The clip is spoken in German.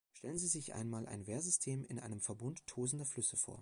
Stellen Sie sich einmal ein Wehrsystem in einem Verbund tosender Flüsse vor.